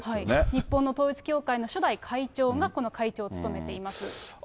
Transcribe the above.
日本の統一教会の初代会長が、この会長を務めています。